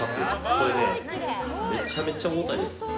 これ、めちゃくちゃ重たいです。